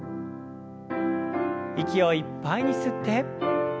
息をいっぱいに吸って。